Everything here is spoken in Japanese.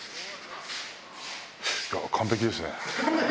完璧ですね。